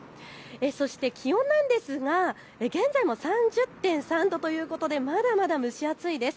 そして気温なんですが現在も３０．３度ということでまだまだ蒸し厚いです。